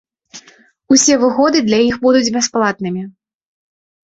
Усе выгоды для іх будуць бясплатнымі.